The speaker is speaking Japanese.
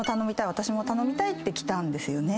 「私も頼みたい」って来たんですよね。